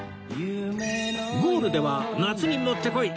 ゴールでは夏にもってこい！